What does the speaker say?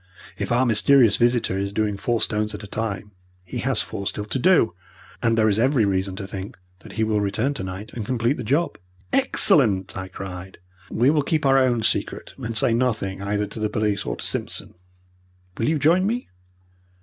If our mysterious visitor is doing four stones at a time, he has four still to do, and there is every reason to think that he will return tonight and complete the job." "Excellent!" I cried. "We will keep our own secret, and say nothing either to the police or to Simpson. Will you join me?"